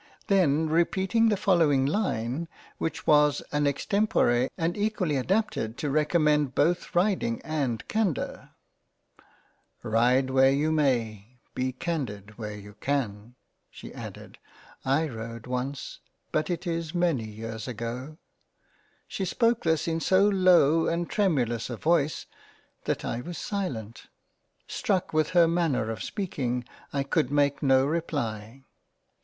Then repeating the following line which was an extempore and equally adapted to recommend both Riding and Candour —" Ride where you may, Be Candid where you can," she added, "/ rode once, but it is many years ago — She spoke this in so low and tremulous a Voice, that I was silent —. Struck with her Manner of speaking I could make no reply.